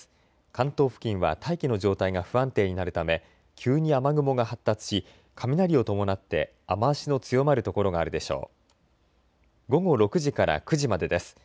関東付近は大気の状態が不安定になるため急に雨雲が発達し雷を伴って雨足の強まる所があるでしょう。